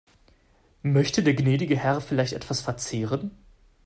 Möchte der gnädige Herr vielleicht etwas verzehren?